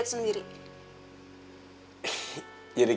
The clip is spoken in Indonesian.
patuhin aku ya dari belakang